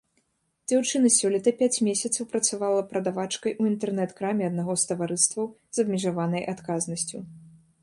Дзяўчына сёлета пяць месяцаў працавала прадавачкай у інтэрнэт-краме аднаго з таварыстваў з абмежаванай адказнасцю.